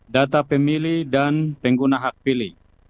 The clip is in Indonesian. data pemilih dan pengguna hak pilih